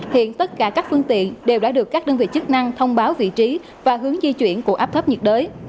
hiện tất cả các phương tiện đều đã được các đơn vị chức năng thông báo vị trí và hướng di chuyển của áp thấp nhiệt đới